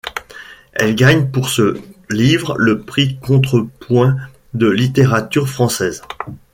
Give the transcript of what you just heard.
Elle gagne pour ce livre le prix Contre-point de littérature française.